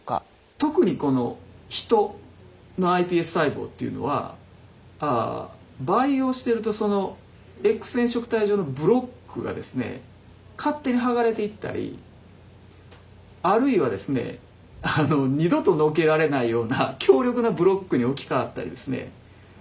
特にこのヒトのｉＰＳ細胞というのは培養してるとそのＸ染色体上のブロックがですね勝手に剥がれていったりあるいはですね二度とのけられないような強力なブロックに置き換わったりですね